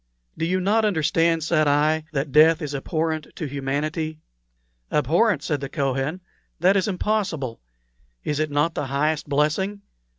"Do you not understand," said I, "that death is abhorrent to humanity?" "Abhorrent!" said the Kohen; "that is impossible. Is it not the highest blessing?